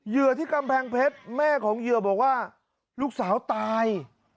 ที่กำแพงเพชรแม่ของเหยื่อบอกว่าลูกสาวตาย